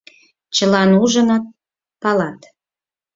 Чылан ужыныт, палат.